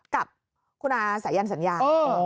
กับคุณอาสายันสัญญา